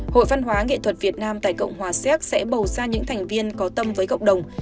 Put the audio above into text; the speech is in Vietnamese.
hội văn hóa nghệ thuật việt nam tại cộng hòa xéc sẽ bầu ra những thành viên có tâm với cộng đồng